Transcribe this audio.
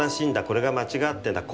これが間違ってんだ。